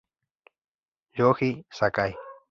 Yoji Sakai